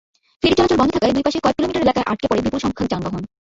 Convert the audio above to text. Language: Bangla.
ফেরি চলাচল বন্ধ থাকায় দুই পাশে কয়েক কিলোমিটার এলাকায় আটকে পড়ে বিপুলসংখ্যক যানবাহন।